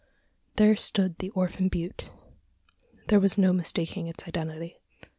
There stood the "Orphan Butte." There was no mistaking its identity.